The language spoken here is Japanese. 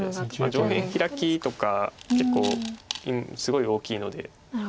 上辺ヒラキとか結構すごい大きいので。